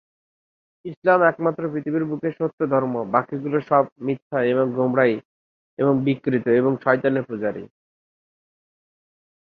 বাংলাদেশের অনেক শহর ও গ্রামে দেওবন্দ মাদ্রাসার আদলে মাদ্রাসা রয়েছে।